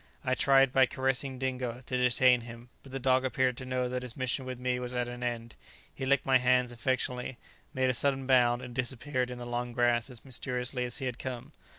I tried, by caressing Dingo, to detain him; but the dog appeared to know that his mission with me was at an end; he licked my hands affectionately, made a sudden bound, and disappeared in the long grass as mysteriously as he had come.